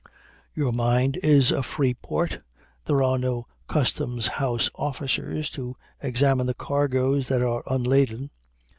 Your mind is a free port. There are no customs house officers to examine the cargoes that are unladen.